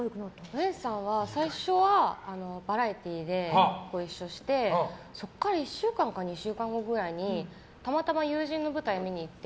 ウエンツさんは最初はバラエティーでご一緒してそこから１週間か２週間後にたまたま友人の舞台を見に行って。